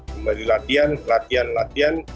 kembali latihan latihan latihan